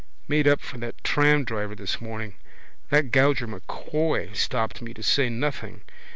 Made up for that tramdriver this morning. That gouger M'Coy stopping me to say nothing.